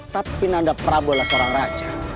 tapi nanda prabowo adalah seorang raja